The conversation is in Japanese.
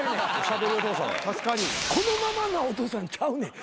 このままなお父さんちゃうねん。